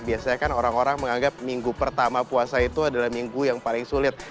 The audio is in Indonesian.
biasanya kan orang orang menganggap minggu pertama puasa itu adalah minggu yang paling sulit